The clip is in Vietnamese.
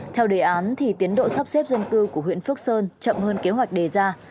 theo đề án thì tiến độ sắp xếp dân cư của huyện phước sơn chậm hơn kế hoạch đề ra